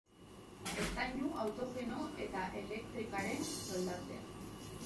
Eztainu, autogeno eta elektrikaren soldatzea.